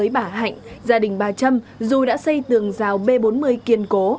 bà hạnh cho biết gia đình bà trâm đã xây tường rào b bốn mươi kiên cố